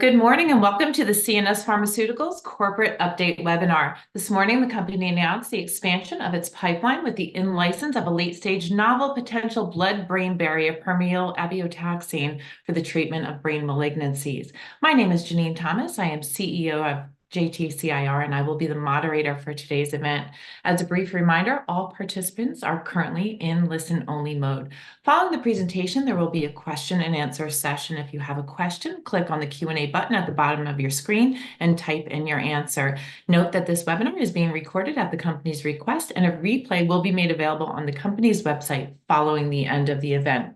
Good morning and welcome to the CNS Pharmaceuticals Corporate Update webinar. This morning, the company announced the expansion of its pipeline with the in-license of a late-stage novel potential blood-brain barrier permeable abeotaxane for the treatment of brain malignancies. My name is Janine Thomas. I am CEO of JTCIR, and I will be the moderator for today's event. As a brief reminder, all participants are currently in listen-only mode. Following the presentation, there will be a question-and-answer session. If you have a question, click on the Q&A button at the bottom of your screen and type in your answer. Note that this webinar is being recorded at the company's request, and a replay will be made available on the company's website following the end of the event.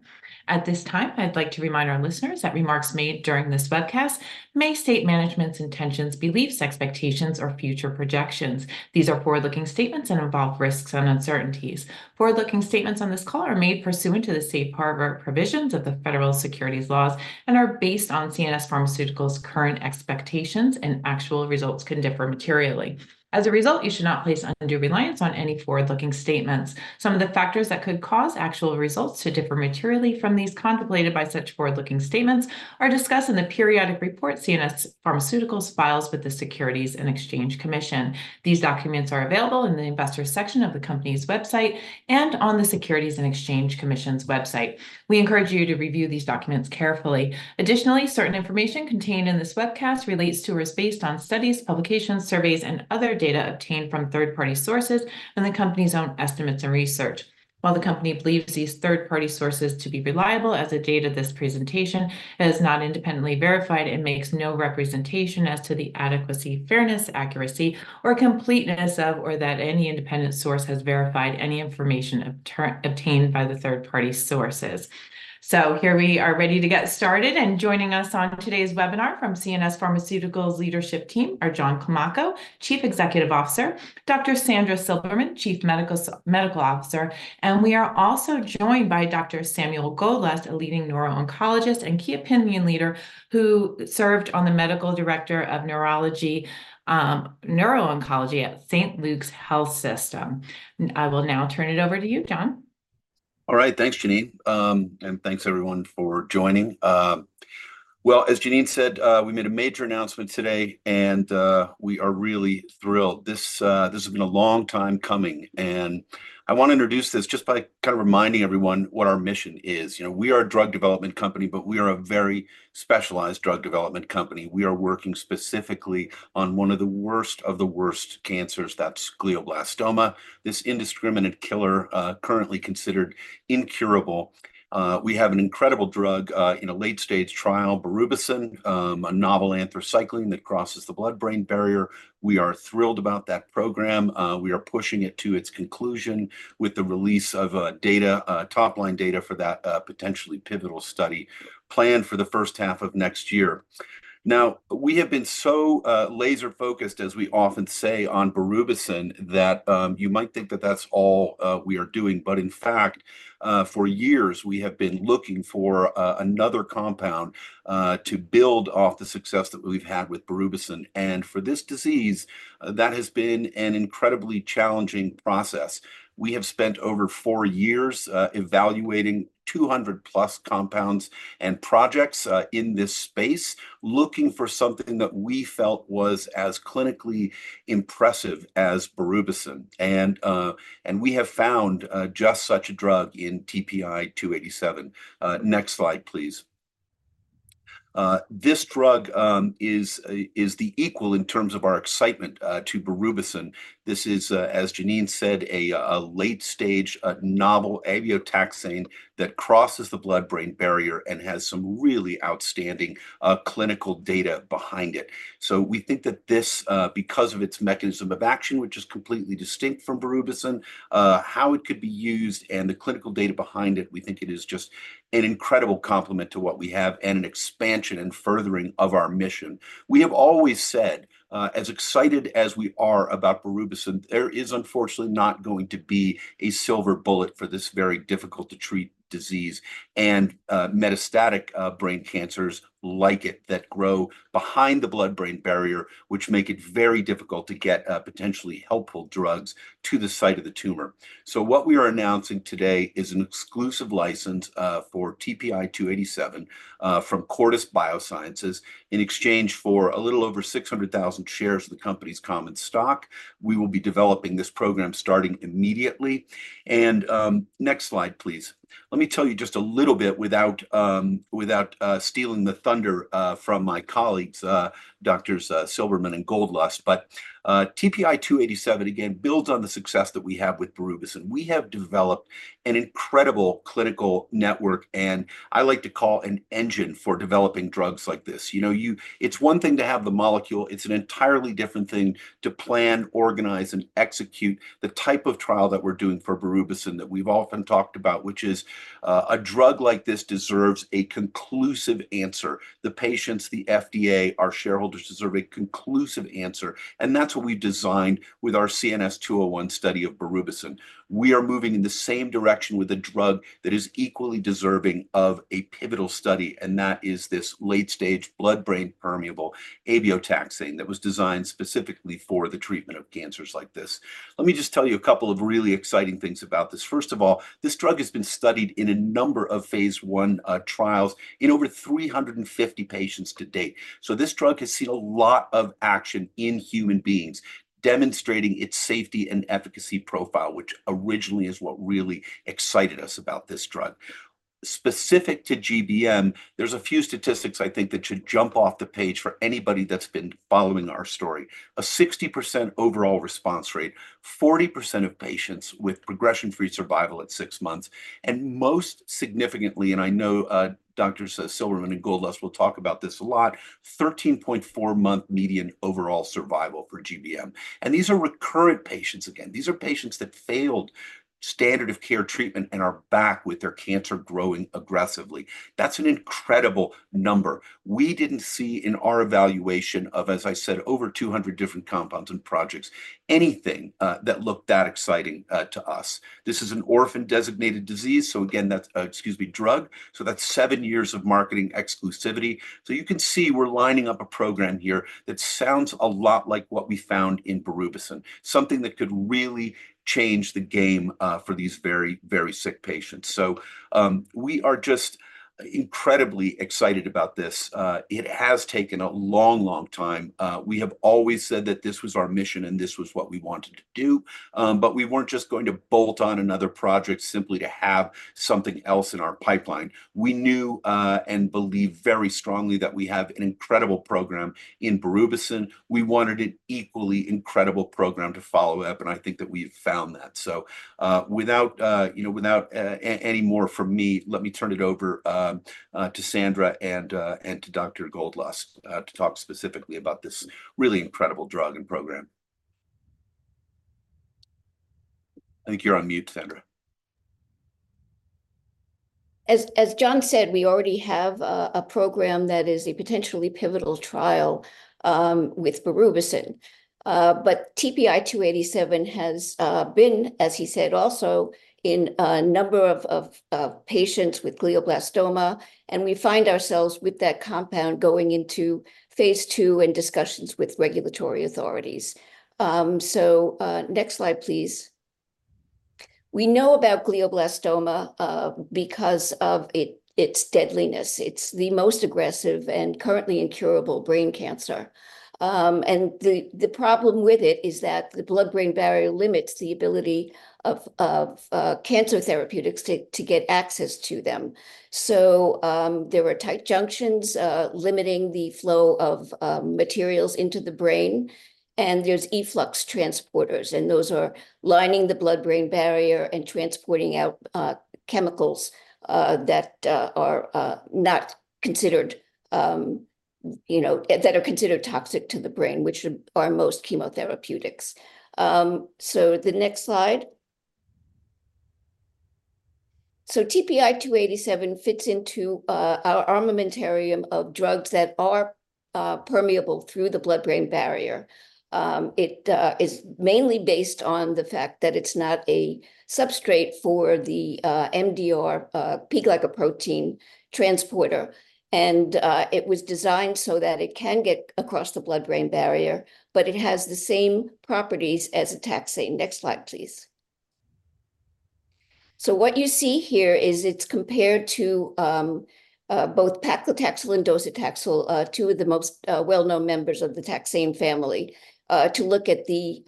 At this time, I'd like to remind our listeners that remarks made during this webcast may state management's intentions, beliefs, expectations, or future projections. These are forward-looking statements and involve risks and uncertainties. Forward-looking statements on this call are made pursuant to the safe harbor provisions of the federal securities laws and are based on CNS Pharmaceuticals' current expectations, and actual results can differ materially. As a result, you should not place undue reliance on any forward-looking statements. Some of the factors that could cause actual results to differ materially from these contemplated by such forward-looking statements are discussed in the periodic report CNS Pharmaceuticals files with the Securities and Exchange Commission. These documents are available in the investor section of the company's website and on the Securities and Exchange Commission's website. We encourage you to review these documents carefully. Additionally, certain information contained in this webcast relates to or is based on studies, publications, surveys, and other data obtained from third-party sources and the company's own estimates and research. While the company believes these third-party sources to be reliable as of the date of this presentation, it is not independently verified and makes no representation as to the adequacy, fairness, accuracy, or completeness of or that any independent source has verified any information obtained by the third-party sources. So here we are ready to get started. Joining us on today's webinar from CNS Pharmaceuticals' leadership team are John Climaco, Chief Executive Officer; Dr. Sandra Silberman, Chief Medical Officer; and we are also joined by Dr. Samuel Goldlust, a leading neuro-oncologist and key opinion leader who serves as the Medical Director of Neurology and Neuro-oncology at Saint Luke's Health System. I will now turn it over to you, John. All right. Thanks, Janine. Thanks, everyone, for joining. Well, as Janine said, we made a major announcement today, and we are really thrilled. This has been a long time coming. I want to introduce this just by kind of reminding everyone what our mission is. You know, we are a drug development company, but we are a very specialized drug development company. We are working specifically on one of the worst of the worst cancers. That's glioblastoma, this indiscriminate killer currently considered incurable. We have an incredible drug in a late-stage trial, Berubicin, a novel anthracycline that crosses the blood-brain barrier. We are thrilled about that program. We are pushing it to its conclusion with the release of data, top-line data for that potentially pivotal study planned for the first half of next year. Now, we have been so laser-focused, as we often say, on Berubicin that you might think that that's all we are doing. But in fact, for years, we have been looking for another compound to build off the success that we've had with Berubicin. And for this disease, that has been an incredibly challenging process. We have spent over four years evaluating 200+ compounds and projects in this space, looking for something that we felt was as clinically impressive as Berubicin. And we have found just such a drug in TPI 287. Next slide, please. This drug is the equal in terms of our excitement to Berubicin. This is, as Janine said, a late-stage novel abeotaxane that crosses the blood-brain barrier and has some really outstanding clinical data behind it. So we think that this, because of its mechanism of action, which is completely distinct from Berubicin, how it could be used and the clinical data behind it, we think it is just an incredible complement to what we have and an expansion and furthering of our mission. We have always said, as excited as we are about Berubicin, there is unfortunately not going to be a silver bullet for this very difficult-to-treat disease and metastatic brain cancers like it that grow behind the blood-brain barrier, which make it very difficult to get potentially helpful drugs to the site of the tumor. So what we are announcing today is an exclusive license for TPI 287 from Cortice Biosciences in exchange for a little over 600,000 shares of the company's common stock. We will be developing this program starting immediately. And next slide, please. Let me tell you just a little bit without stealing the thunder from my colleagues, Doctors Silberman and Goldlust. But TPI 287, again, builds on the success that we have with Berubicin. We have developed an incredible clinical network, and I like to call an engine for developing drugs like this. You know, it's one thing to have the molecule. It's an entirely different thing to plan, organize, and execute the type of trial that we're doing for Berubicin that we've often talked about, which is a drug like this deserves a conclusive answer. The patients, the FDA, our shareholders deserve a conclusive answer. And that's what we've designed with our CNS 201 study of Berubicin. We are moving in the same direction with a drug that is equally deserving of a pivotal study, and that is this late-stage blood-brain permeable abeotaxane that was designed specifically for the treatment of cancers like this. Let me just tell you a couple of really exciting things about this. First of all, this drug has been studied in a number of phase one trials in over 350 patients to date. So this drug has seen a lot of action in human beings, demonstrating its safety and efficacy profile, which originally is what really excited us about this drug. Specific to GBM, there's a few statistics I think that should jump off the page for anybody that's been following our story: a 60% overall response rate, 40% of patients with progression-free survival at 6 months, and most significantly, and I know Doctors Silberman and Goldlust will talk about this a lot, 13.4-month median overall survival for GBM. And these are recurrent patients, again. These are patients that failed standard of care treatment and are back with their cancer growing aggressively. That's an incredible number. We didn't see in our evaluation of, as I said, over 200 different compounds and projects, anything that looked that exciting to us. This is an orphan-designated disease. So again, that's excuse me, drug. So that's 7 years of marketing exclusivity. So you can see we're lining up a program here that sounds a lot like what we found in Berubicin, something that could really change the game for these very, very sick patients. So we are just incredibly excited about this. It has taken a long, long time. We have always said that this was our mission and this was what we wanted to do. But we weren't just going to bolt on another project simply to have something else in our pipeline. We knew and believed very strongly that we have an incredible program in Berubicin. We wanted an equally incredible program to follow up, and I think that we've found that. So without any more from me, let me turn it over to Sandra and to Dr. Goldlust to talk specifically about this really incredible drug and program. I think you're on mute, Sandra. As John said, we already have a program that is a potentially pivotal trial with Berubicin. But TPI 287 has been, as he said, also in a number of patients with glioblastoma, and we find ourselves with that compound going into phase 2 and discussions with regulatory authorities. Next slide, please. We know about glioblastoma because of its deadliness. It's the most aggressive and currently incurable brain cancer. The problem with it is that the blood-brain barrier limits the ability of cancer therapeutics to get access to them. There are tight junctions limiting the flow of materials into the brain, and there's efflux transporters, and those are lining the blood-brain barrier and transporting out chemicals that are not considered, you know, that are considered toxic to the brain, which are most chemotherapeutics. The next slide. So TPI 287 fits into our armamentarium of drugs that are permeable through the blood-brain barrier. It is mainly based on the fact that it's not a substrate for the MDR, P-gp-like protein transporter. And it was designed so that it can get across the blood-brain barrier, but it has the same properties as a taxane. Next slide, please. So what you see here is it's compared to both paclitaxel and docetaxel, two of the most well-known members of the taxane family, to look at the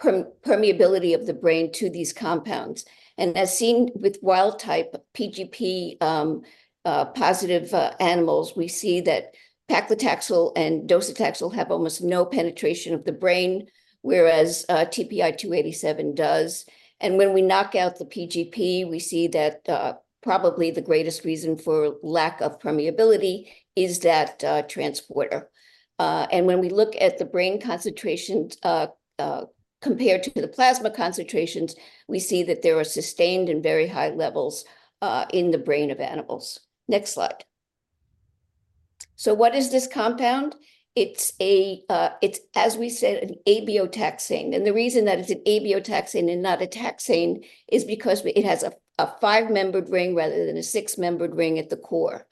permeability of the brain to these compounds. And as seen with wild-type PGP-positive animals, we see that paclitaxel and docetaxel have almost no penetration of the brain, whereas TPI 287 does. And when we knock out the PGP, we see that probably the greatest reason for lack of permeability is that transporter. And when we look at the brain concentrations compared to the plasma concentrations, we see that there are sustained and very high levels in the brain of animals. Next slide. So what is this compound? It's, as we said, an abeotaxane. And the reason that it's an abeotaxane and not a taxane is because it has a five-membered ring rather than a six-membered ring at the core.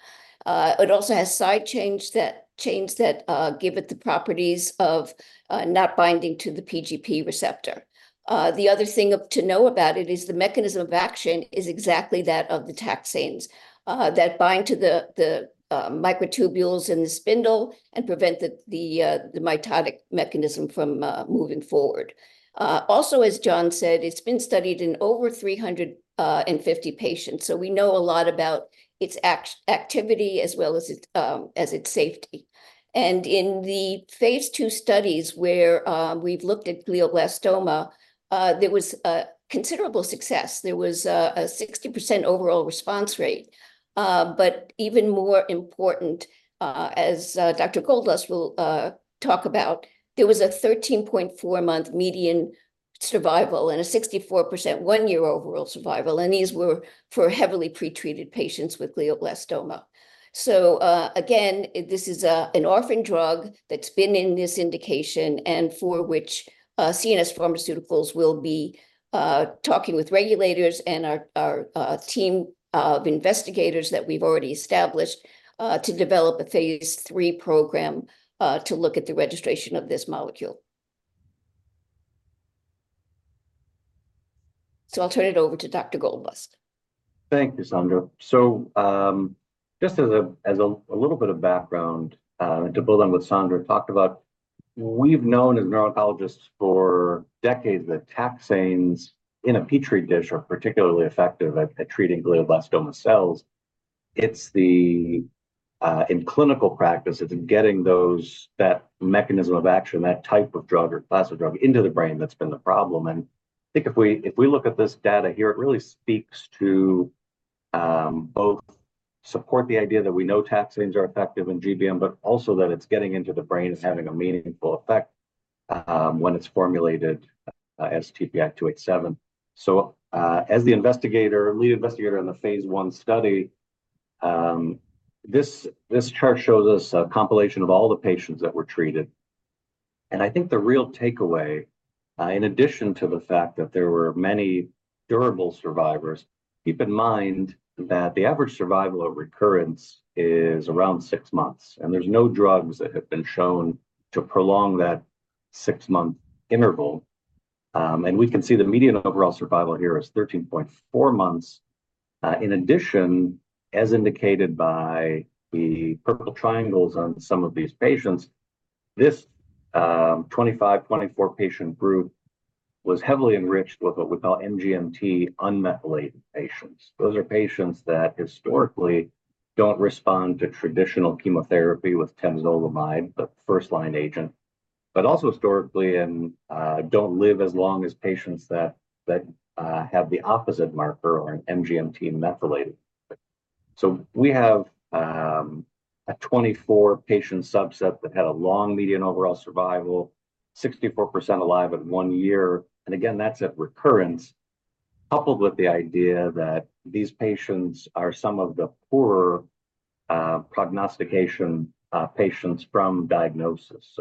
It also has side chains that give it the properties of not binding to the P-gp receptor. The other thing to know about it is the mechanism of action is exactly that of the taxanes that bind to the microtubules in the spindle and prevent the mitotic mechanism from moving forward. Also, as John said, it's been studied in over 350 patients. So we know a lot about its activity as well as its safety. In the phase 2 studies where we've looked at glioblastoma, there was considerable success. There was a 60% overall response rate. But even more important, as Dr. Goldlust will talk about, there was a 13.4-month median survival and a 64% one-year overall survival. These were for heavily pretreated patients with glioblastoma. Again, this is an orphan drug that's been in this indication and for which CNS Pharmaceuticals will be talking with regulators and our team of investigators that we've already established to develop a phase 3 program to look at the registration of this molecule. I'll turn it over to Dr. Goldlust. Thank you, Sandra. So just as a little bit of background to build on what Sandra talked about, we've known as neuro-oncologists for decades that taxanes in a Petri dish are particularly effective at treating glioblastoma cells. It's the, in clinical practice, it's getting that mechanism of action, that type of drug or class of drug into the brain that's been the problem. And I think if we look at this data here, it really speaks to both support the idea that we know taxanes are effective in GBM, but also that it's getting into the brain and having a meaningful effect when it's formulated as TPI 287. So as the investigator, lead investigator in the phase 1 study, this chart shows us a compilation of all the patients that were treated. I think the real takeaway, in addition to the fact that there were many durable survivors, keep in mind that the average survival of recurrence is around 6 months. There's no drugs that have been shown to prolong that 6-month interval. We can see the median overall survival here is 13.4 months. In addition, as indicated by the purple triangles on some of these patients, this 25, 24-patient group was heavily enriched with what we call MGMT unmethylated patients. Those are patients that historically don't respond to traditional chemotherapy with temozolomide, the first-line agent, but also historically don't live as long as patients that have the opposite marker or an MGMT methylated. So we have a 24-patient subset that had a long median overall survival, 64% alive at 1 year. Again, that's at recurrence, coupled with the idea that these patients are some of the poorer prognostication patients from diagnosis.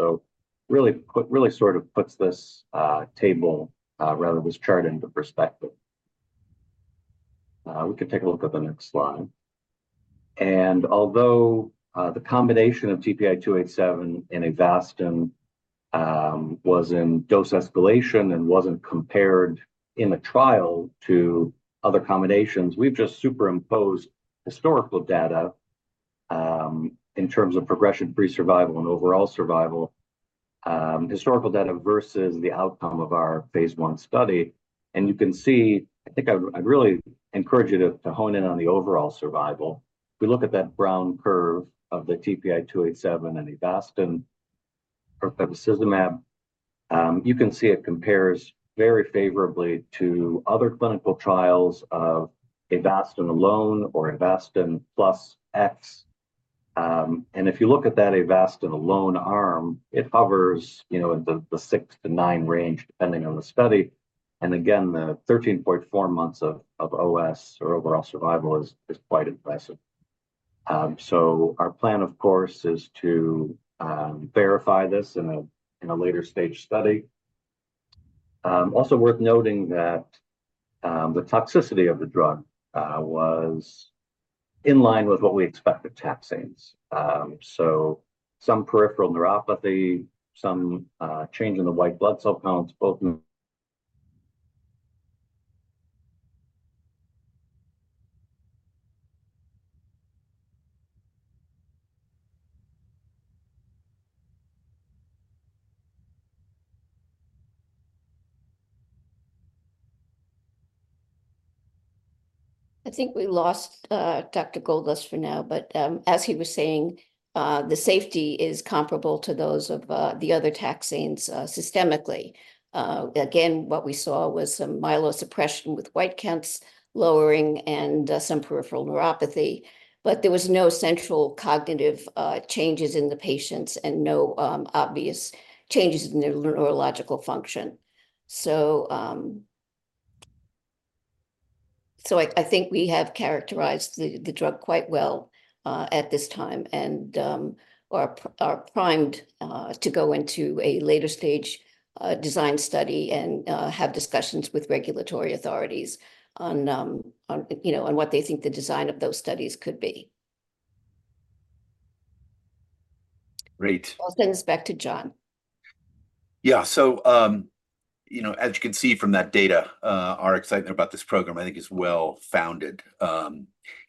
So really sort of puts this table, rather this chart into perspective. We can take a look at the next slide. Although the combination of TPI 287 and Avastin was in dose escalation and wasn't compared in a trial to other combinations, we've just superimposed historical data in terms of progression-free survival and overall survival, historical data versus the outcome of our phase 1 study. You can see, I think I'd really encourage you to hone in on the overall survival. If we look at that brown curve of the TPI 287 and Avastin or cefazolim, you can see it compares very favorably to other clinical trials of Avastin alone or Avastin plus X. If you look at that Avastin alone arm, it hovers in the 6-9 range depending on the study. And again, the 13.4 months of OS or overall survival is quite impressive. Our plan, of course, is to verify this in a later stage study. Also worth noting that the toxicity of the drug was in line with what we expect of taxanes. Some peripheral neuropathy, some change in the white blood cell counts, both. I think we lost Dr. Goldlust for now, but as he was saying, the safety is comparable to those of the other taxanes systemically. Again, what we saw was some myelosuppression with white counts lowering and some peripheral neuropathy, but there were no central cognitive changes in the patients and no obvious changes in their neurological function. So I think we have characterized the drug quite well at this time and are primed to go into a later stage design study and have discussions with regulatory authorities on what they think the design of those studies could be. Great. I'll send this back to John. Yeah. So as you can see from that data, our excitement about this program, I think, is well-founded.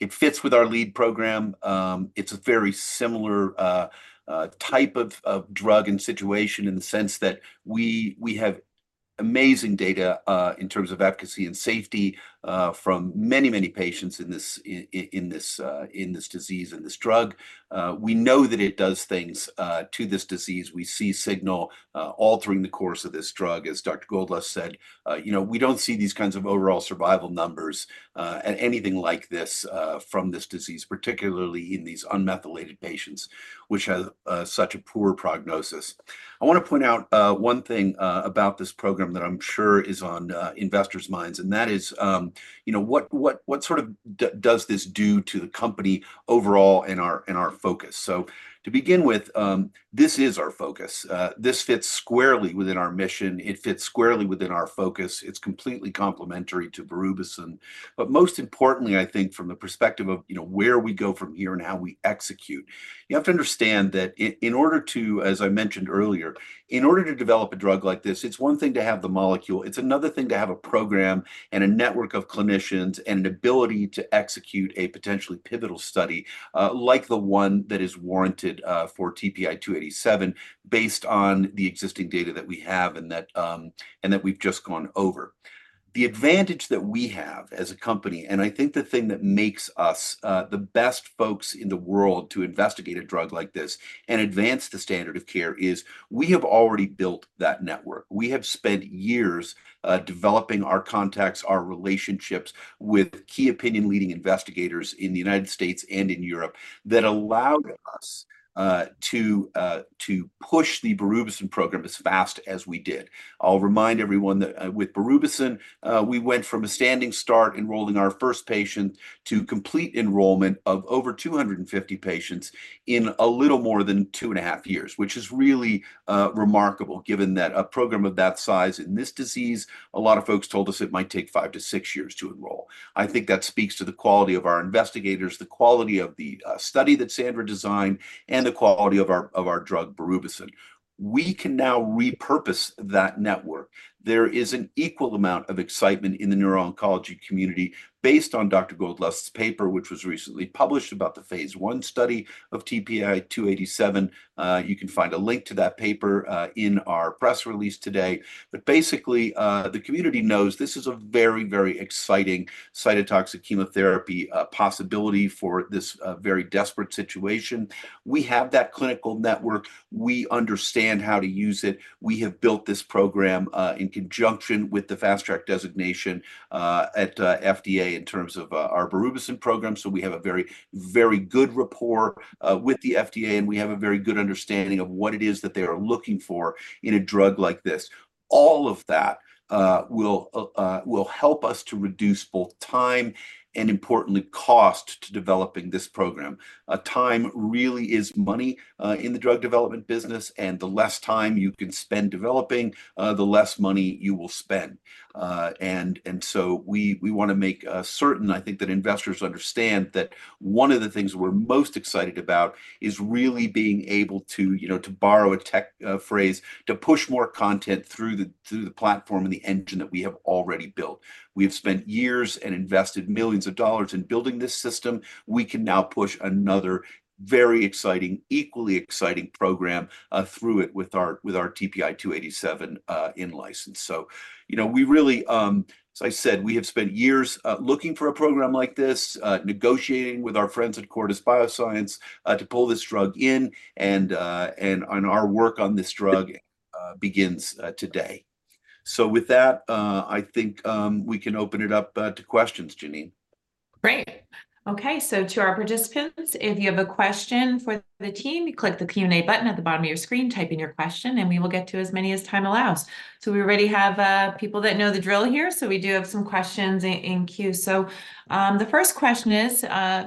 It fits with our lead program. It's a very similar type of drug and situation in the sense that we have amazing data in terms of efficacy and safety from many, many patients in this disease and this drug. We know that it does things to this disease. We see signal altering the course of this drug. As Dr. Goldlust said, we don't see these kinds of overall survival numbers at anything like this from this disease, particularly in these unmethylated patients, which have such a poor prognosis. I want to point out one thing about this program that I'm sure is on investors' minds, and that is what sort of does this do to the company overall and our focus. So to begin with, this is our focus. This fits squarely within our mission. It fits squarely within our focus. It's completely complementary to Berubicin. But most importantly, I think from the perspective of where we go from here and how we execute, you have to understand that in order to, as I mentioned earlier, in order to develop a drug like this, it's one thing to have the molecule. It's another thing to have a program and a network of clinicians and an ability to execute a potentially pivotal study like the one that is warranted for TPI 287 based on the existing data that we have and that we've just gone over. The advantage that we have as a company, and I think the thing that makes us the best folks in the world to investigate a drug like this and advance the standard of care is we have already built that network. We have spent years developing our contacts, our relationships with key opinion-leading investigators in the United States and in Europe that allowed us to push the Berubicin program as fast as we did. I'll remind everyone that with Berubicin, we went from a standing start enrolling our first patient to complete enrollment of over 250 patients in a little more than 2.5 years, which is really remarkable given that a program of that size in this disease, a lot of folks told us it might take 5-6 years to enroll. I think that speaks to the quality of our investigators, the quality of the study that Sandra designed, and the quality of our drug, Berubicin. We can now repurpose that network. There is an equal amount of excitement in the neuro-oncology community based on Dr. Goldlust's paper, which was recently published about the phase one study of TPI 287. You can find a link to that paper in our press release today. But basically, the community knows this is a very, very exciting cytotoxic chemotherapy possibility for this very desperate situation. We have that clinical network. We understand how to use it. We have built this program in conjunction with the Fast Track designation at FDA in terms of our Berubicin program. So we have a very, very good rapport with the FDA, and we have a very good understanding of what it is that they are looking for in a drug like this. All of that will help us to reduce both time and, importantly, cost to developing this program. Time really is money in the drug development business. The less time you can spend developing, the less money you will spend. And so we want to make certain, I think, that investors understand that one of the things we're most excited about is really being able to, to borrow a tech phrase, to push more content through the platform and the engine that we have already built. We have spent years and invested millions of dollars in building this system. We can now push another very exciting, equally exciting program through it with our TPI 287 in license. So we really, as I said, we have spent years looking for a program like this, negotiating with our friends at Cortice Biosciences to pull this drug in, and our work on this drug begins today. So with that, I think we can open it up to questions, Janine. Great. Okay. So to our participants, if you have a question for the team, click the Q&A button at the bottom of your screen, type in your question, and we will get to as many as time allows. So we already have people that know the drill here, so we do have some questions in queue. So the first question is,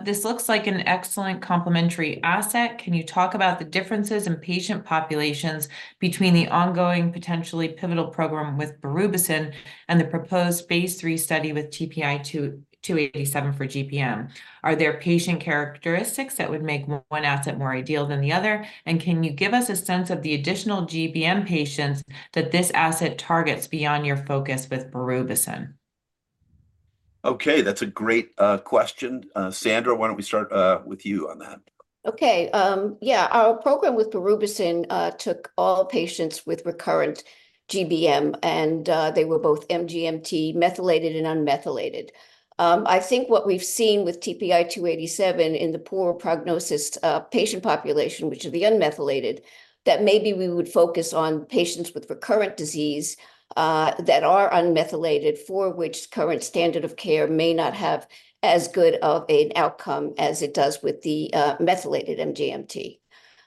this looks like an excellent complementary asset. Can you talk about the differences in patient populations between the ongoing potentially pivotal program with Berubicin and the proposed phase 3 study with TPI 287 for GBM? Are there patient characteristics that would make one asset more ideal than the other? And can you give us a sense of the additional GBM patients that this asset targets beyond your focus with Berubicin? Okay. That's a great question. Sandra, why don't we start with you on that? Okay. Yeah. Our program with Berubicin took all patients with recurrent GBM, and they were both MGMT methylated and unmethylated. I think what we've seen with TPI 287 in the poor prognosis patient population, which is the unmethylated, that maybe we would focus on patients with recurrent disease that are unmethylated, for which current standard of care may not have as good of an outcome as it does with the methylated MGMT.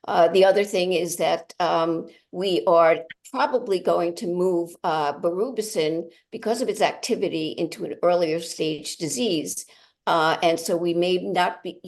The other thing is that we are probably going to move Berubicin because of its activity into an earlier stage disease. And so we may not be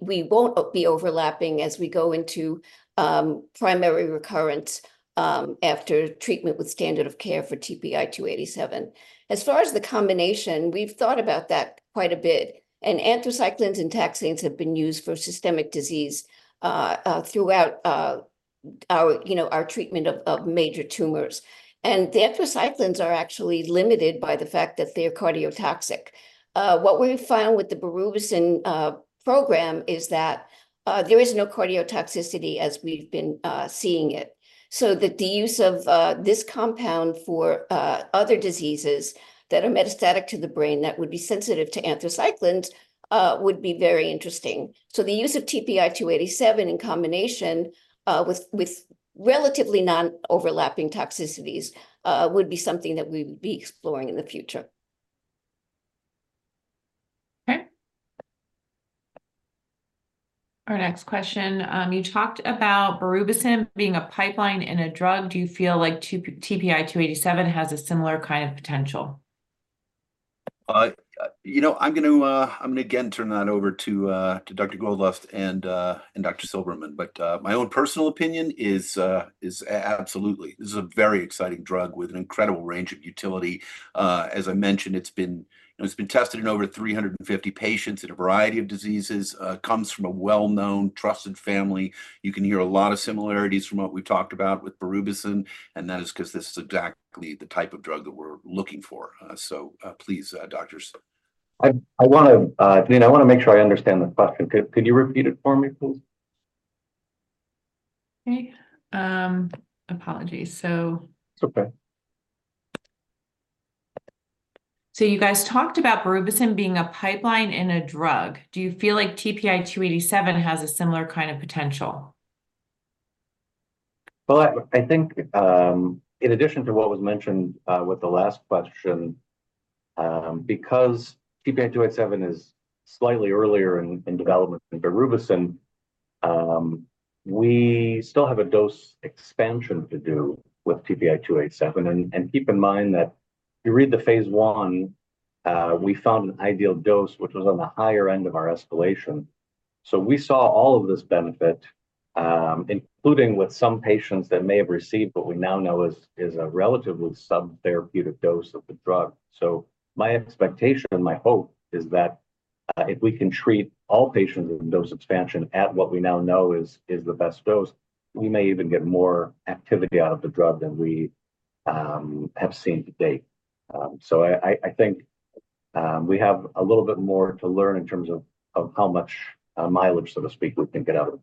- we won't be overlapping as we go into primary recurrence after treatment with standard of care for TPI 287. As far as the combination, we've thought about that quite a bit. And anthracyclines and taxanes have been used for systemic disease throughout our treatment of major tumors. The anthracyclines are actually limited by the fact that they're cardiotoxic. What we found with the Berubicin program is that there is no cardiotoxicity as we've been seeing it. The use of this compound for other diseases that are metastatic to the brain that would be sensitive to anthracyclines would be very interesting. The use of TPI 287 in combination with relatively non-overlapping toxicities would be something that we would be exploring in the future. Okay. Our next question. You talked about Berubicin being a pipeline drug. Do you feel like TPI 287 has a similar kind of potential? I'm going to again turn that over to Dr. Goldlust and Dr. Silberman, but my own personal opinion is absolutely. This is a very exciting drug with an incredible range of utility. As I mentioned, it's been tested in over 350 patients in a variety of diseases. It comes from a well-known, trusted family. You can hear a lot of similarities from what we've talked about with Berubicin, and that is because this is exactly the type of drug that we're looking for. So please, doctors. I want to, I mean, I want to make sure I understand the question. Could you repeat it for me, please? Okay. Apologies. So. It's okay. So you guys talked about Berubicin being a pipeline in a drug. Do you feel like TPI 287 has a similar kind of potential? Well, I think in addition to what was mentioned with the last question, because TPI 287 is slightly earlier in development than Berubicin, we still have a dose expansion to do with TPI 287. Keep in mind that if you read the phase 1, we found an ideal dose, which was on the higher end of our escalation. We saw all of this benefit, including with some patients that may have received what we now know is a relatively subtherapeutic dose of the drug. My expectation and my hope is that if we can treat all patients with dose expansion at what we now know is the best dose, we may even get more activity out of the drug than we have seen to date. I think we have a little bit more to learn in terms of how much mileage, so to speak, we can get out of it.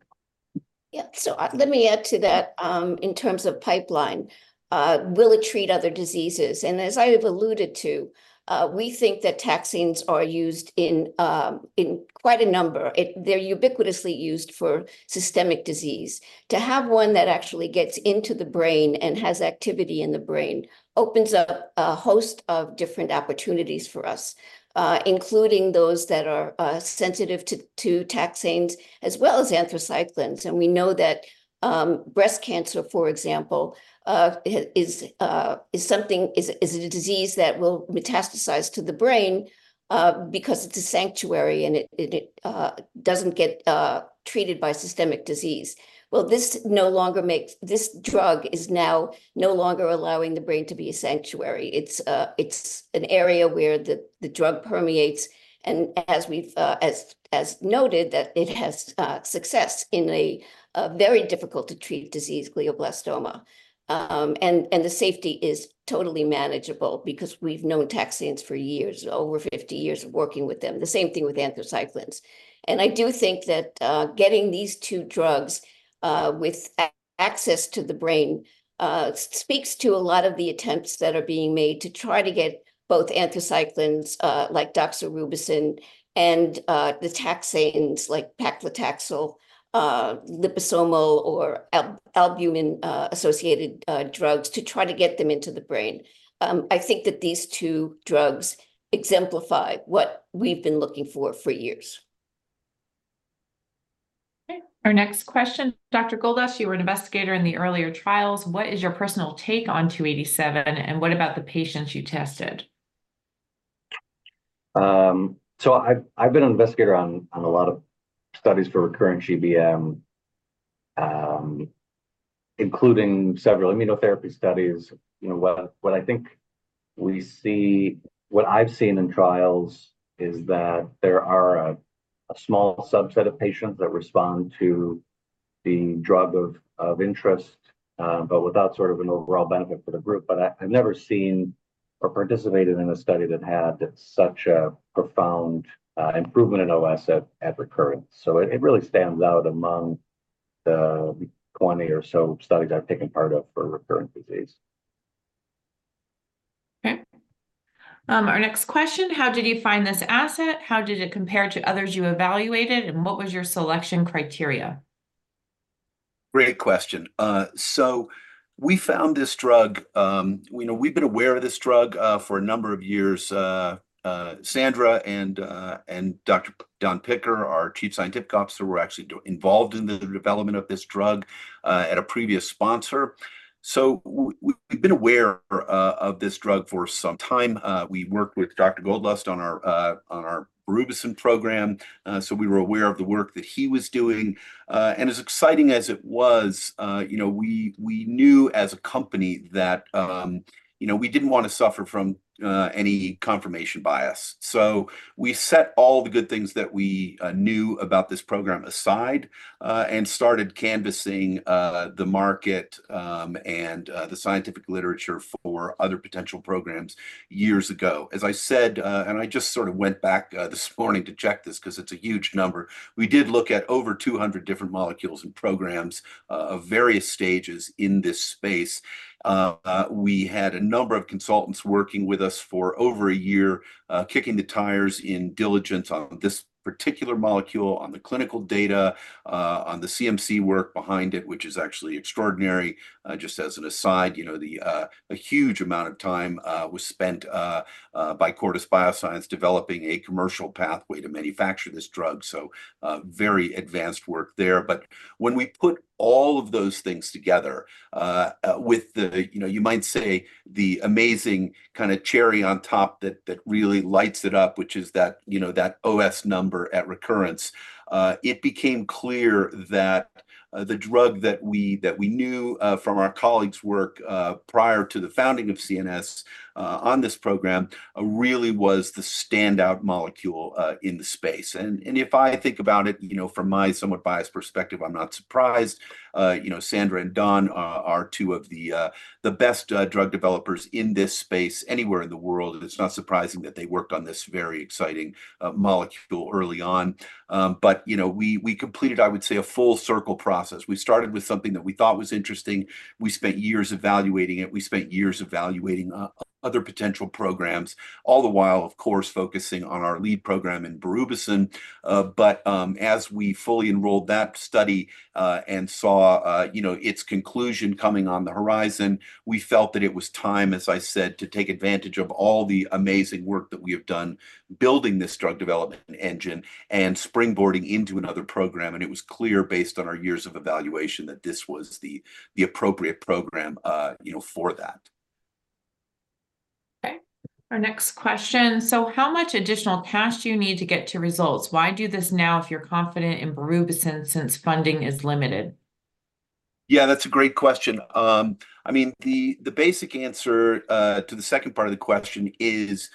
Yeah. So let me add to that in terms of pipeline. Will it treat other diseases? And as I have alluded to, we think that taxanes are used in quite a number. They're ubiquitously used for systemic disease. To have one that actually gets into the brain and has activity in the brain opens up a host of different opportunities for us, including those that are sensitive to taxanes as well as anthracyclines. And we know that breast cancer, for example, is something—is it a disease that will metastasize to the brain because it's a sanctuary and it doesn't get treated by systemic disease? Well, this no longer makes—this drug is now no longer allowing the brain to be a sanctuary. It's an area where the drug permeates. And as we've noted, it has success in a very difficult-to-treat disease, glioblastoma. The safety is totally manageable because we've known taxanes for years, over 50 years of working with them. The same thing with anthracyclines. I do think that getting these two drugs with access to the brain speaks to a lot of the attempts that are being made to try to get both anthracyclines like doxorubicin and the taxanes like paclitaxel, liposomal, or albumin-associated drugs to try to get them into the brain. I think that these two drugs exemplify what we've been looking for for years. Okay. Our next question, Dr. Goldlust, you were an investigator in the earlier trials. What is your personal take on 287? And what about the patients you tested? So I've been an investigator on a lot of studies for recurrent GBM, including several immunotherapy studies. What I think we see, what I've seen in trials is that there are a small subset of patients that respond to the drug of interest, but without sort of an overall benefit for the group. But I've never seen or participated in a study that had such a profound improvement in OS at recurrence. So it really stands out among the 20 or so studies I've taken part of for recurrent disease. Okay. Our next question, how did you find this asset? How did it compare to others you evaluated? What was your selection criteria? Great question. So we found this drug. We've been aware of this drug for a number of years. Sandra and Dr. Don Picker, our Chief Scientific Officer, were actually involved in the development of this drug at a previous sponsor. So we've been aware of this drug for some time. We worked with Dr. Goldlust on our Berubicin program. So we were aware of the work that he was doing. And as exciting as it was, we knew as a company that we didn't want to suffer from any confirmation bias. So we set all the good things that we knew about this program aside and started canvassing the market and the scientific literature for other potential programs years ago. As I said, and I just sort of went back this morning to check this because it's a huge number. We did look at over 200 different molecules and programs of various stages in this space. We had a number of consultants working with us for over a year kicking the tires in diligence on this particular molecule, on the clinical data, on the CMC work behind it, which is actually extraordinary. Just as an aside, a huge amount of time was spent by Cortice Biosciences developing a commercial pathway to manufacture this drug. So very advanced work there. But when we put all of those things together with the, you might say, the amazing kind of cherry on top that really lights it up, which is that OS number at recurrence, it became clear that the drug that we knew from our colleagues' work prior to the founding of CNS on this program really was the standout molecule in the space. And if I think about it from my somewhat biased perspective, I'm not surprised. Sandra and Don are two of the best drug developers in this space anywhere in the world. It's not surprising that they worked on this very exciting molecule early on. But we completed, I would say, a full circle process. We started with something that we thought was interesting. We spent years evaluating it. We spent years evaluating other potential programs, all the while, of course, focusing on our lead program in Berubicin. But as we fully enrolled that study and saw its conclusion coming on the horizon, we felt that it was time, as I said, to take advantage of all the amazing work that we have done building this drug development engine and springboarding into another program. It was clear based on our years of evaluation that this was the appropriate program for that. Okay. Our next question. So how much additional cash do you need to get to results? Why do this now if you're confident in Berubicin since funding is limited? Yeah, that's a great question. I mean, the basic answer to the second part of the question is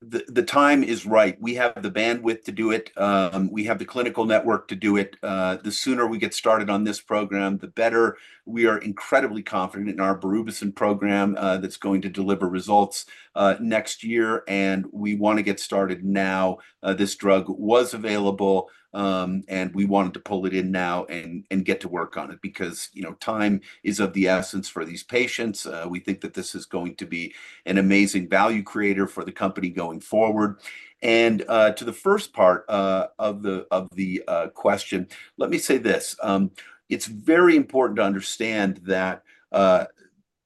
the time is right. We have the bandwidth to do it. We have the clinical network to do it. The sooner we get started on this program, the better. We are incredibly confident in our Berubicin program that's going to deliver results next year. And we want to get started now. This drug was available, and we wanted to pull it in now and get to work on it because time is of the essence for these patients. We think that this is going to be an amazing value creator for the company going forward. And to the first part of the question, let me say this. It's very important to understand that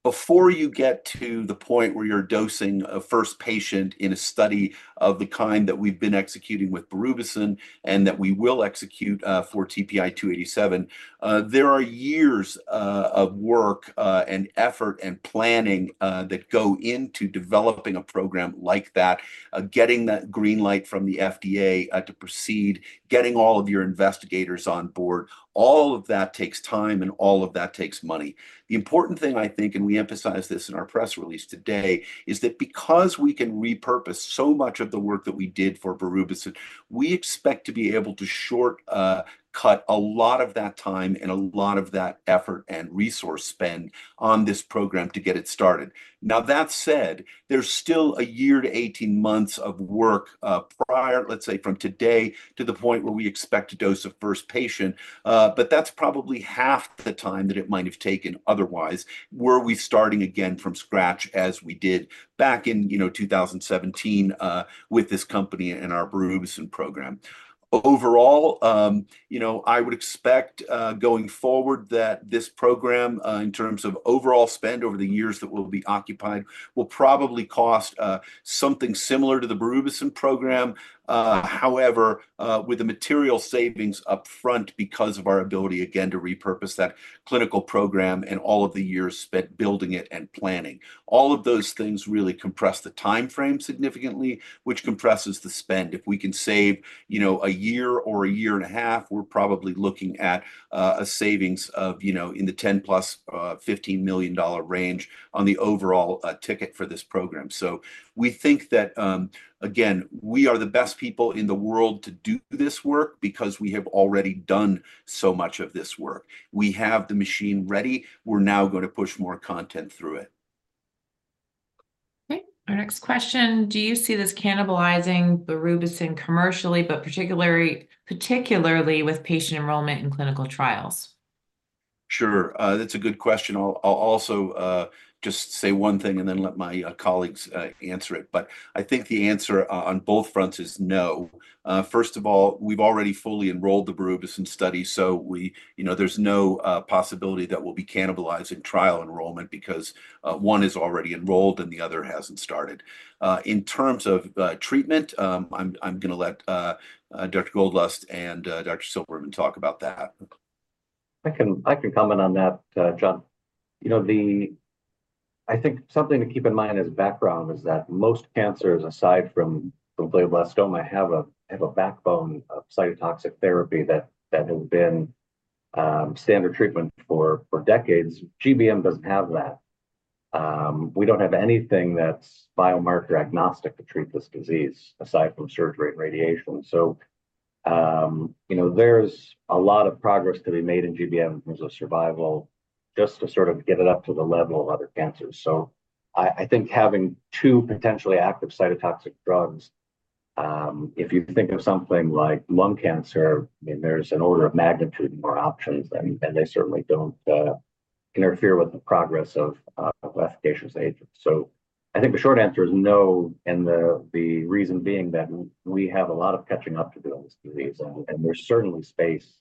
before you get to the point where you're dosing a first patient in a study of the kind that we've been executing with Berubicin and that we will execute for TPI 287, there are years of work and effort and planning that go into developing a program like that, getting that green light from the FDA to proceed, getting all of your investigators on board. All of that takes time, and all of that takes money. The important thing, I think, and we emphasize this in our press release today, is that because we can repurpose so much of the work that we did for Berubicin, we expect to be able to shortcut a lot of that time and a lot of that effort and resource spend on this program to get it started. Now, that said, there's still 1 year to 18 months of work prior, let's say, from today to the point where we expect a dose of first patient. But that's probably half the time that it might have taken otherwise. Were we starting again from scratch as we did back in 2017 with this company and our Berubicin program? Overall, I would expect going forward that this program, in terms of overall spend over the years that will be occupied, will probably cost something similar to the Berubicin program. However, with the material savings upfront because of our ability, again, to repurpose that clinical program and all of the years spent building it and planning. All of those things really compress the timeframe significantly, which compresses the spend. If we can save a year or a year and a half, we're probably looking at savings in the $10+-$15 million range on the overall ticket for this program. So we think that, again, we are the best people in the world to do this work because we have already done so much of this work. We have the machine ready. We're now going to push more content through it. Okay. Our next question. Do you see this cannibalizing Berubicin commercially, but particularly with patient enrollment in clinical trials? Sure. That's a good question. I'll also just say one thing and then let my colleagues answer it. But I think the answer on both fronts is no. First of all, we've already fully enrolled the Berubicin study, so there's no possibility that we'll be cannibalizing trial enrollment because one is already enrolled and the other hasn't started. In terms of treatment, I'm going to let Dr. Goldlust and Dr. Silberman talk about that. I can comment on that, John. I think something to keep in mind as background is that most cancers, aside from glioblastoma, have a backbone of cytotoxic therapy that has been standard treatment for decades. GBM doesn't have that. We don't have anything that's biomarker agnostic to treat this disease aside from surgery and radiation. So there's a lot of progress to be made in GBM in terms of survival just to sort of get it up to the level of other cancers. So I think having two potentially active cytotoxic drugs, if you think of something like lung cancer, I mean, there's an order of magnitude more options, and they certainly don't interfere with the progress of efficacious agents. I think the short answer is no, and the reason being that we have a lot of catching up to do on this disease, and there's certainly space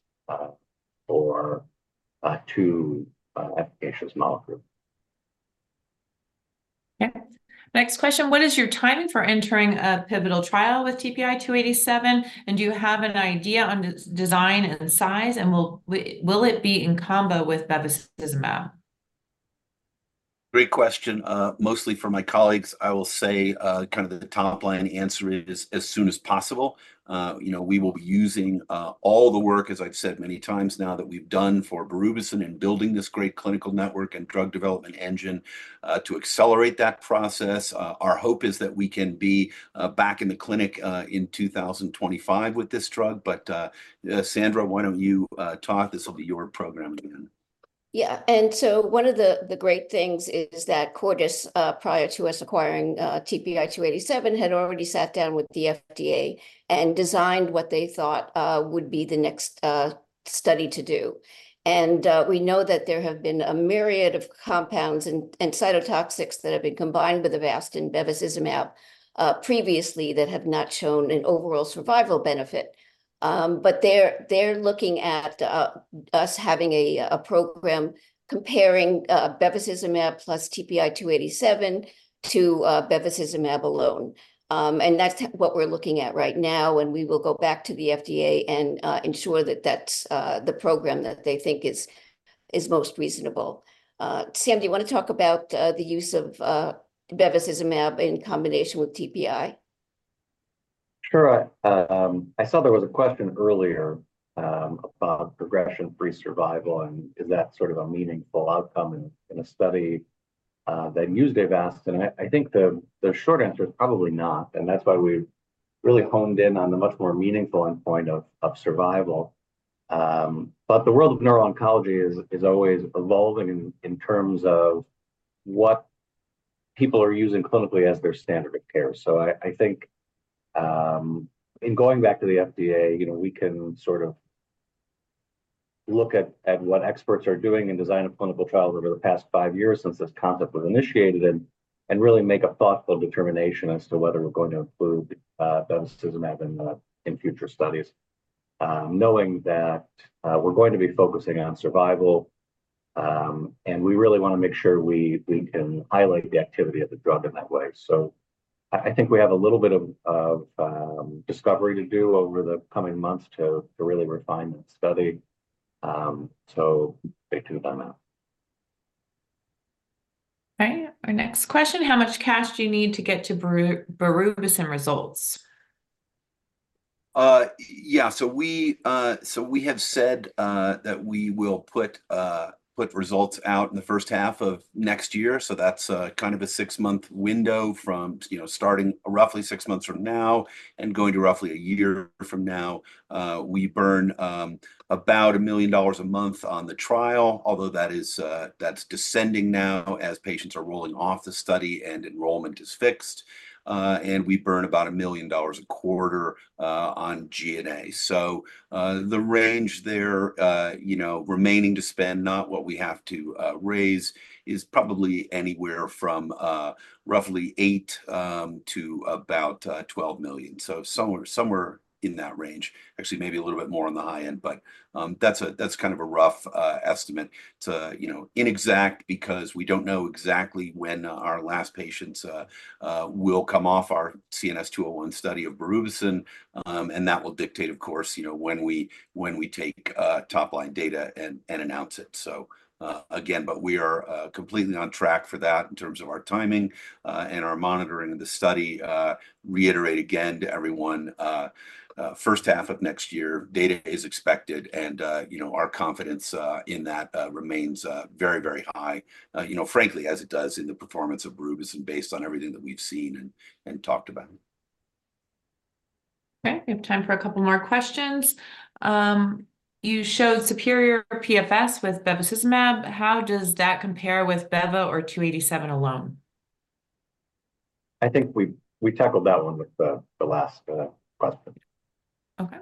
for two efficacious molecules. Okay. Next question. What is your timing for entering a pivotal trial with TPI 287? And do you have an idea on design and size, and will it be in combo with bevacizumab? Great question. Mostly for my colleagues, I will say kind of the top-line answer is as soon as possible. We will be using all the work, as I've said many times now, that we've done for Berubicin in building this great clinical network and drug development engine to accelerate that process. Our hope is that we can be back in the clinic in 2025 with this drug. But Sandra, why don't you talk? This will be your program again. Yeah. And so one of the great things is that Cortice, prior to us acquiring TPI 287, had already sat down with the FDA and designed what they thought would be the next study to do. And we know that there have been a myriad of compounds and cytotoxics that have been combined with Avastin and bevacizumab previously that have not shown an overall survival benefit. But they're looking at us having a program comparing bevacizumab plus TPI 287 to bevacizumab alone. And that's what we're looking at right now. And we will go back to the FDA and ensure that that's the program that they think is most reasonable. Sam, do you want to talk about the use of bevacizumab in combination with TPI? Sure. I saw there was a question earlier about progression-free survival, and is that sort of a meaningful outcome in a study that used Avastin? And I think the short answer is probably not. And that's why we've really honed in on the much more meaningful endpoint of survival. But the world of neuro-oncology is always evolving in terms of what people are using clinically as their standard of care. So I think in going back to the FDA, we can sort of look at what experts are doing in design of clinical trials over the past five years since this concept was initiated and really make a thoughtful determination as to whether we're going to include bevacizumab in future studies, knowing that we're going to be focusing on survival, and we really want to make sure we can highlight the activity of the drug in that way. I think we have a little bit of discovery to do over the coming months to really refine that study. Stay tuned on that. Okay. Our next question. How much cash do you need to get to Berubicin results? Yeah. So we have said that we will put results out in the first half of next year. So that's kind of a six-month window from starting roughly six months from now and going to roughly a year from now. We burn about $1 million a month on the trial, although that's descending now as patients are rolling off the study and enrollment is fixed. And we burn about $1 million a quarter on G&A. So the range there remaining to spend, not what we have to raise, is probably anywhere from roughly $8 million-$12 million. So somewhere in that range. Actually, maybe a little bit more on the high end, but that's kind of a rough estimate. It's inexact because we don't know exactly when our last patients will come off our CNS 201 study of Berubicin. That will dictate, of course, when we take top-line data and announce it. So again, but we are completely on track for that in terms of our timing and our monitoring of the study. Reiterate again to everyone, first half of next year, data is expected, and our confidence in that remains very, very high, frankly, as it does in the performance of Berubicin based on everything that we've seen and talked about. Okay. We have time for a couple more questions. You showed superior PFS with bevacizumab. How does that compare with beva or 287 alone? I think we tackled that one with the last question. Okay.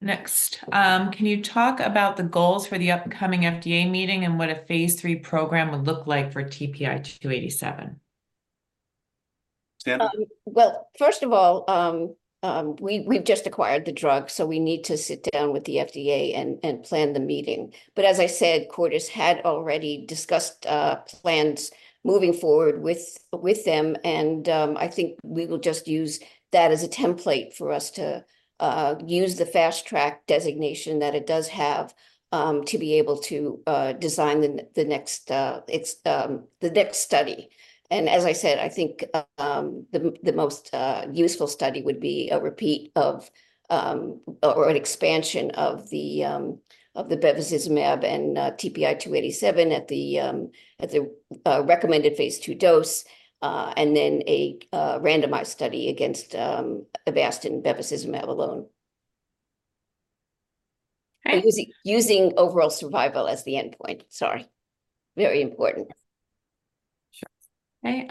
Next. Can you talk about the goals for the upcoming FDA meeting and what a phase 3 program would look like for TPI 287? Well, first of all, we've just acquired the drug, so we need to sit down with the FDA and plan the meeting. But as I said, Cortice had already discussed plans moving forward with them. And I think we will just use that as a template for us to use the Fast Track designation that it does have to be able to design the next study. And as I said, I think the most useful study would be a repeat or an expansion of the bevacizumab and TPI 287 at the recommended phase 2 dose, and then a randomized study against Avastin and bevacizumab alone. Using overall survival as the endpoint. Sorry. Very important. Okay.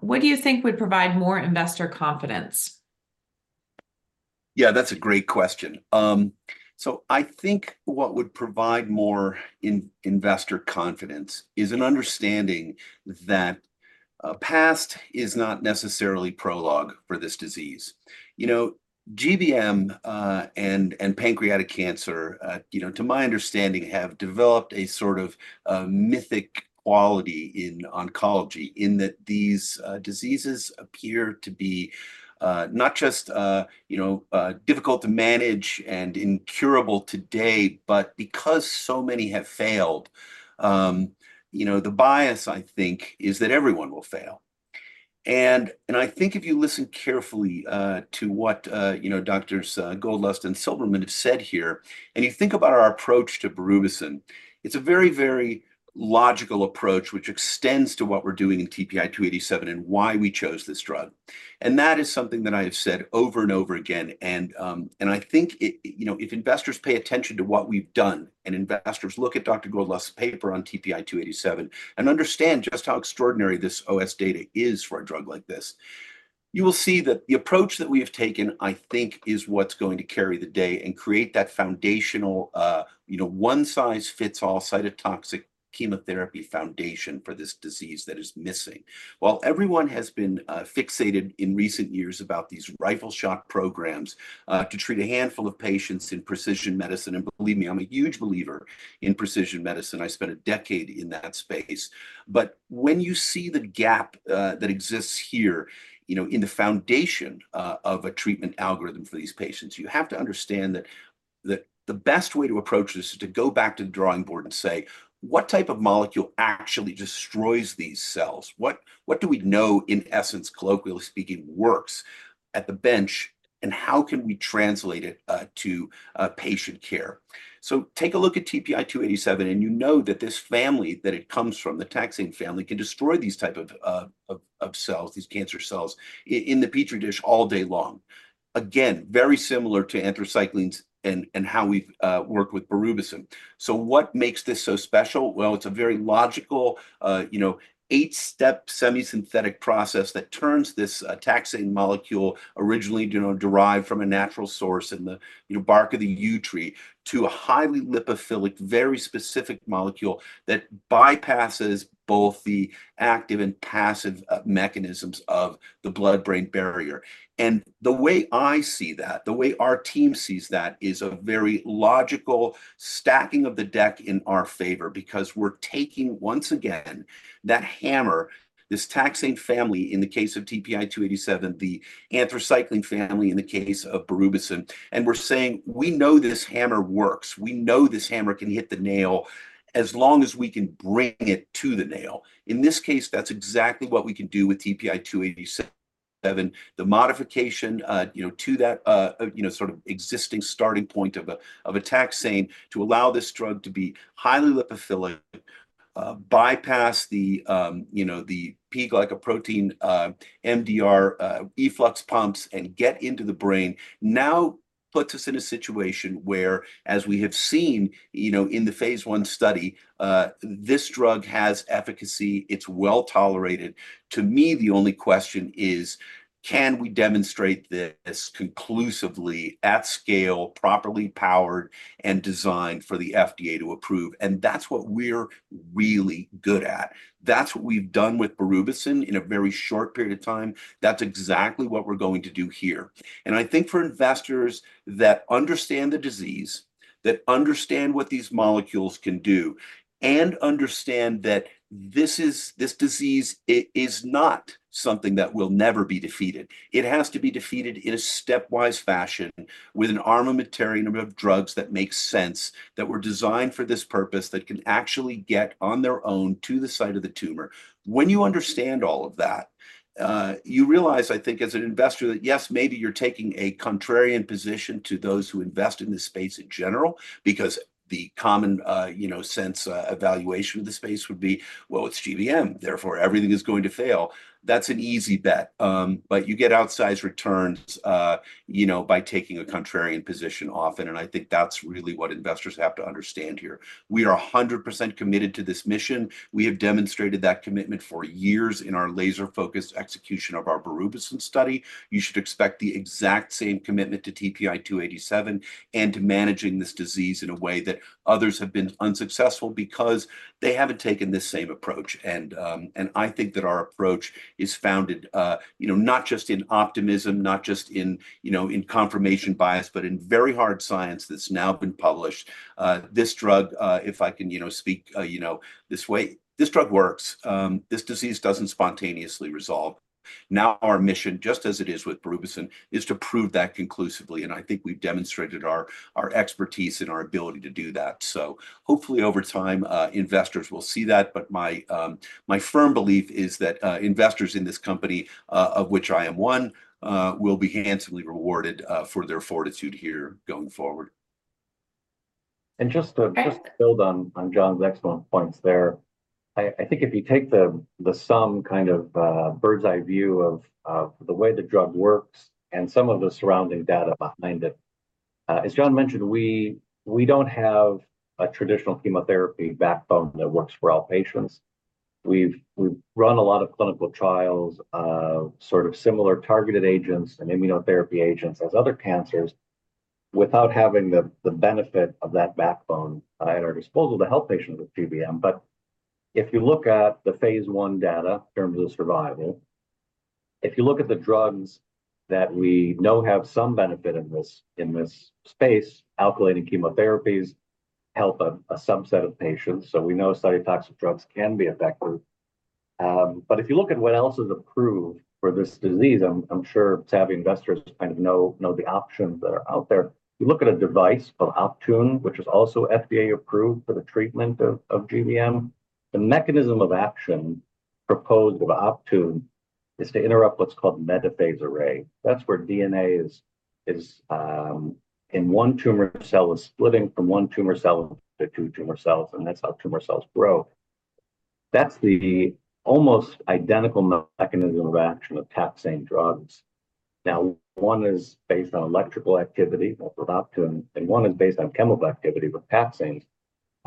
What do you think would provide more investor confidence? Yeah, that's a great question. So I think what would provide more investor confidence is an understanding that past is not necessarily prologue for this disease. GBM and pancreatic cancer, to my understanding, have developed a sort of mythic quality in oncology in that these diseases appear to be not just difficult to manage and incurable today, but because so many have failed, the bias, I think, is that everyone will fail. And I think if you listen carefully to what Doctors Goldlust and Silberman have said here, and you think about our approach to Berubicin, it's a very, very logical approach which extends to what we're doing in TPI 287 and why we chose this drug. And that is something that I have said over and over again. And I think if investors pay attention to what we've done and investors look at Dr. Goldlust's paper on TPI 287 and understand just how extraordinary this OS data is for a drug like this, you will see that the approach that we have taken, I think, is what's going to carry the day and create that foundational one-size-fits-all cytotoxic chemotherapy foundation for this disease that is missing. While everyone has been fixated in recent years about these rifle shot programs to treat a handful of patients in precision medicine, and believe me, I'm a huge believer in precision medicine. I spent a decade in that space. But when you see the gap that exists here in the foundation of a treatment algorithm for these patients, you have to understand that the best way to approach this is to go back to the drawing board and say, "What type of molecule actually destroys these cells? What do we know, in essence, colloquially speaking, works at the bench, and how can we translate it to patient care?" So take a look at TPI 287, and you know that this family that it comes from, the taxane family, can destroy these types of cells, these cancer cells in the Petri dish all day long. Again, very similar to anthracycline and how we've worked with Berubicin. So what makes this so special? Well, it's a very logical eight-step semisynthetic process that turns this taxane molecule originally derived from a natural source in the bark of the yew tree to a highly lipophilic, very specific molecule that bypasses both the active and passive mechanisms of the blood-brain barrier. And the way I see that, the way our team sees that, is a very logical stacking of the deck in our favor because we're taking, once again, that hammer, this taxane family in the case of TPI 287, the anthracycline family in the case of Berubicin, and we're saying, "We know this hammer works. We know this hammer can hit the nail as long as we can bring it to the nail." In this case, that's exactly what we can do with TPI 287, the modification to that sort of existing starting point of a taxane to allow this drug to be highly lipophilic, bypass the P-glycoprotein MDR efflux pumps, and get into the brain. Now puts us in a situation where, as we have seen in the phase one study, this drug has efficacy. It's well tolerated. To me, the only question is, can we demonstrate this conclusively at scale, properly powered and designed for the FDA to approve? That's what we're really good at. That's what we've done with Berubicin in a very short period of time. That's exactly what we're going to do here. I think for investors that understand the disease, that understand what these molecules can do, and understand that this disease is not something that will never be defeated. It has to be defeated in a stepwise fashion with an armamentarium of drugs that make sense, that were designed for this purpose, that can actually get on their own to the site of the tumor. When you understand all of that, you realize, I think, as an investor, that yes, maybe you're taking a contrarian position to those who invest in this space in general because the common sense evaluation of the space would be, "Well, it's GBM. Therefore, everything is going to fail." That's an easy bet. But you get outsized returns by taking a contrarian position often. And I think that's really what investors have to understand here. We are 100% committed to this mission. We have demonstrated that commitment for years in our laser-focused execution of our Berubicin study. You should expect the exact same commitment to TPI 287 and to managing this disease in a way that others have been unsuccessful because they haven't taken this same approach. I think that our approach is founded not just in optimism, not just in confirmation bias, but in very hard science that's now been published. This drug, if I can speak this way, this drug works. This disease doesn't spontaneously resolve. Now our mission, just as it is with Berubicin, is to prove that conclusively. I think we've demonstrated our expertise and our ability to do that. Hopefully, over time, investors will see that. My firm belief is that investors in this company, of which I am one, will be handsomely rewarded for their fortitude here going forward. Just to build on John's excellent points there, I think if you take some kind of bird's eye view of the way the drug works and some of the surrounding data behind it, as John mentioned, we don't have a traditional chemotherapy backbone that works for all patients. We've run a lot of clinical trials of sort of similar targeted agents and immunotherapy agents as other cancers without having the benefit of that backbone at our disposal to help patients with GBM. But if you look at the phase one data in terms of survival, if you look at the drugs that we know have some benefit in this space, alkylated chemotherapies help a subset of patients. So we know cytotoxic drugs can be effective. But if you look at what else is approved for this disease, I'm sure savvy investors kind of know the options that are out there. You look at a device called Optune, which is also FDA approved for the treatment of GBM. The mechanism of action proposed of Optune is to interrupt what's called metaphase array. That's where DNA is in one tumor cell is splitting from one tumor cell to two tumor cells, and that's how tumor cells grow. That's the almost identical mechanism of action of taxane drugs. Now, one is based on electrical activity with Optune, and one is based on chemical activity with taxane.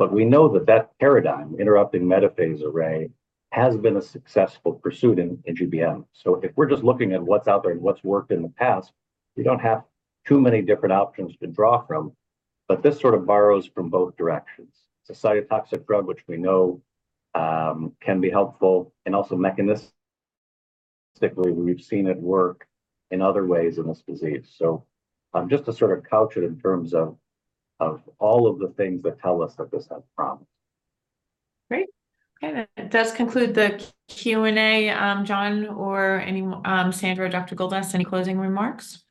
But we know that that paradigm, interrupting metaphase array, has been a successful pursuit in GBM. So if we're just looking at what's out there and what's worked in the past, we don't have too many different options to draw from. But this sort of borrows from both directions. It's a cytotoxic drug, which we know can be helpful, and also mechanistically, we've seen it work in other ways in this disease. So just to sort of couch it in terms of all of the things that tell us that this has promised. Great. Okay. That does conclude the Q&A, John, or Sandra, Dr. Goldlust, any closing remarks?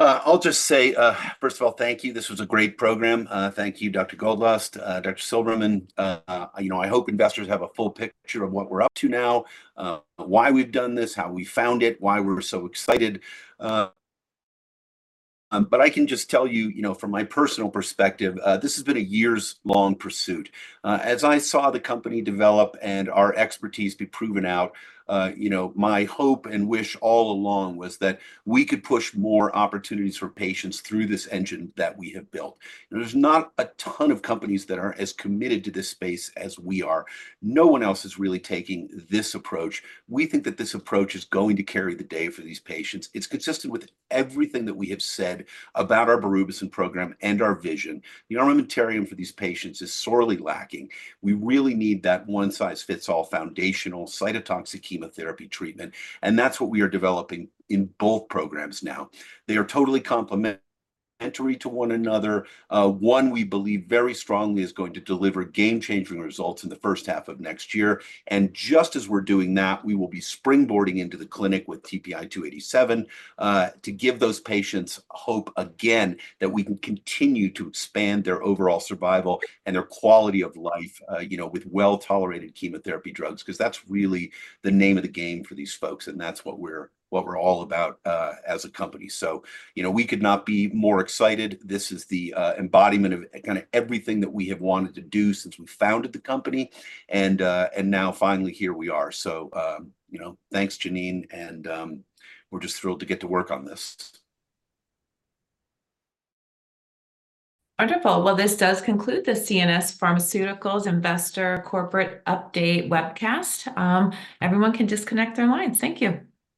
I'll just say, first of all, thank you. This was a great program. Thank you, Dr. Goldlust, Dr. Silberman. I hope investors have a full picture of what we're up to now, why we've done this, how we found it, why we're so excited. But I can just tell you from my personal perspective, this has been a years-long pursuit. As I saw the company develop and our expertise be proven out, my hope and wish all along was that we could push more opportunities for patients through this engine that we have built. There's not a ton of companies that are as committed to this space as we are. No one else is really taking this approach. We think that this approach is going to carry the day for these patients. It's consistent with everything that we have said about our Berubicin program and our vision. The armamentarium for these patients is sorely lacking. We really need that one-size-fits-all foundational cytotoxic chemotherapy treatment. And that's what we are developing in both programs now. They are totally complementary to one another. One, we believe very strongly is going to deliver game-changing results in the first half of next year. And just as we're doing that, we will be springboarding into the clinic with TPI 287 to give those patients hope again that we can continue to expand their overall survival and their quality of life with well-tolerated chemotherapy drugs because that's really the name of the game for these folks. And that's what we're all about as a company. So we could not be more excited. This is the embodiment of kind of everything that we have wanted to do since we founded the company. And now finally, here we are. So thanks, Janine. We're just thrilled to get to work on this. Wonderful. Well, this does conclude the CNS Pharmaceuticals Investor Corporate Update webcast. Everyone can disconnect their lines. Thank you.